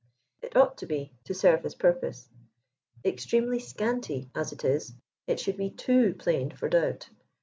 It ought to be, to serve his purpose. Extremely scanty as it is, it should be too plain for doubt.